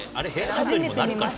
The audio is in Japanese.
初めて見ました。